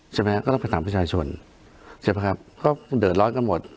ใช่ไหมก็ต้องไปถามประชาชนใช่ไหมครับก็มันเดือดร้อนกันหมด